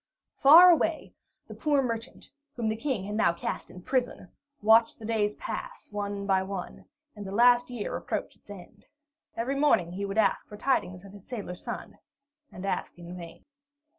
Far away, the poor merchant, whom the King had now cast in prison, watched the days pass one by one, and the last year approach its end. Every morning he would ask for tidings of his sailor son, and ask in vain.